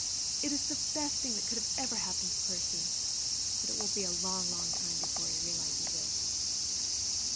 It is the best thing that could ever have happened to Percy, but it will be a long, long time before he realizes it.